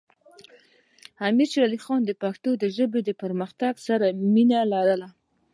امیر شیر علی خان د پښتو ژبې پرمختګ سره مینه لرله.